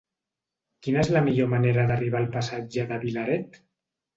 Quina és la millor manera d'arribar al passatge de Vilaret?